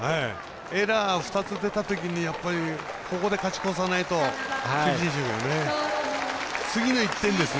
エラー２つ出たとき、ここで勝ち越さないと厳しいですね。